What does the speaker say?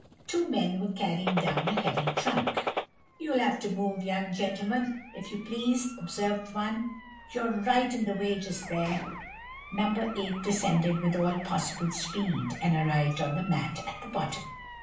Two men were carrying down a heavy trunk. "You'll have to move, young gentleman, if you please," observed one; "you're right in the way just there!" No. 8 descended with all possible speed, and arrived on the mat at the bottom.